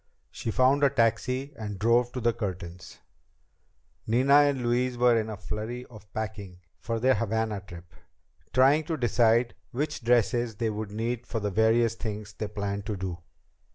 She found a taxi and drove to the Curtins'. Nina and Louise were in a flurry of packing for their Havana trip, trying to decide which dresses they would need for the various things they planned to do.